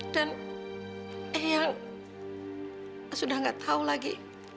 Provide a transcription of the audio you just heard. dan eang sudah gak tahu lagi